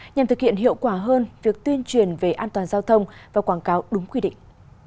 nhằm thực hiện hiệu quả hơn việc tuyên truyền về an toàn giao thông và quảng cáo đúng quy định